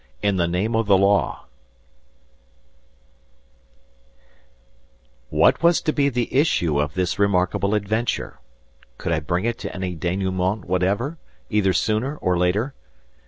XVII. IN THE NAME OF THE LAW What was to be the issue of this remarkable adventure? Could I bring it to any denouement whatever, either sooner or later?